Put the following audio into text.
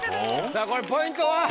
さあこれポイントは？